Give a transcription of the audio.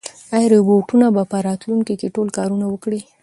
ایا روبوټونه به په راتلونکي کې ټول کارونه وکړي؟